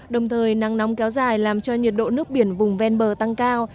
đồng thời nắng nóng kéo dài làm cho nhiệt độ nước biển vùng ven bờ tăng cao